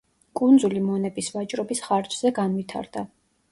კუნძული მონების ვაჭრობის ხარჯზე განვითარდა.